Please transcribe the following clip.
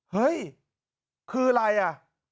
เฮ้ยคืออะไรอ่ะ